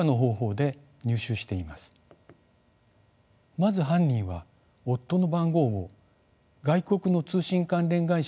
まず犯人は夫の番号を外国の通信関連会社に登録します。